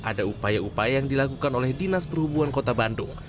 ada upaya upaya yang dilakukan oleh dinas perhubungan kota bandung